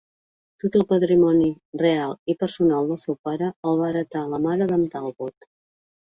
Tot el patrimoni real i personal del seu pare el va hereta la mare d'en Talbot.